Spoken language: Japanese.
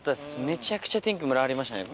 めちゃくちゃ天気ムラありましたね